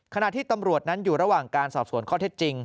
ขณะที่ตำรวจนั้นอยู่ระหว่างการสอบสวนข้อเท็จจริง